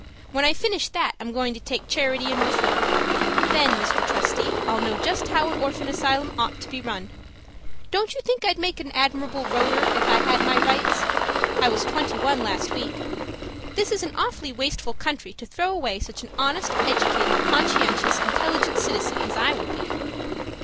When I finish that I'm going to take Charity and Reform; then, Mr. Trustee, I'll know just how an orphan asylum ought to be run. Don't you think I'd make an admirable voter if I had my rights? I was twenty one last week. This is an awfully wasteful country to throw away such an honest, educated, conscientious, intelligent citizen as I would be.